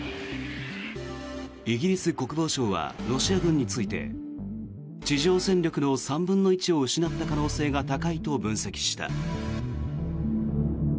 イギリス国防省はロシア軍について地上戦力の３分の１を失った可能性が高いと分析した。